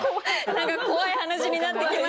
何か怖い話になってきました。